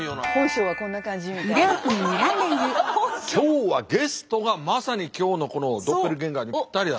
今日はゲストがまさに今日のこのドッペルゲンガーにぴったりだ。